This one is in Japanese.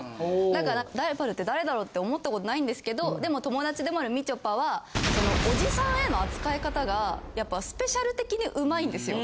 だからライバルって誰だろ？って思ったことないんですけどでも友達でもあるみちょぱはそのオジサンへの扱い方がやっぱスペシャル的に上手いんですよ。